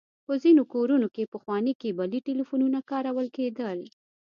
په ځينې کورونو کې پخواني کيبلي ټليفونونه کارول کېدل.